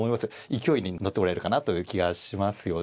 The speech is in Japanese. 勢いに乗っておられるかなという気がしますよね。